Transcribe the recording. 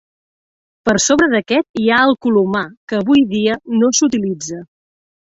Per sobre d'aquest hi ha el colomar, que avui dia no s'utilitza.